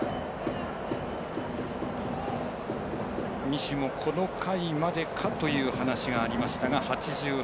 西もこの回までかという話がありましたが。